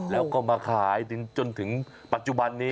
แล้วก็มาขายจนถึงปัจจุบันนี้